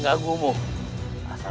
anda tidak mampu dispon